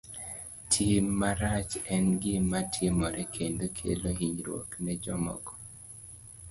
Tim marach en gima timore kendo kelo hinyruok ne jomoko.